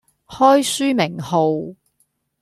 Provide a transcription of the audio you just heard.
開書名號